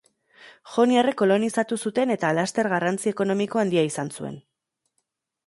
Joniarrek kolonizatu zuten eta laster garrantzi ekonomiko handia izan zuen.